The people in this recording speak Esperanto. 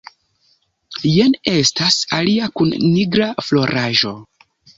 Jen estas alia kun nigra floraĵo.